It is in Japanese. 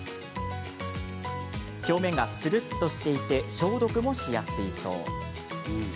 表面がつるっとしていて消毒もしやすいそう。